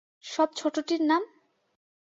সব ছোটোটির নাম?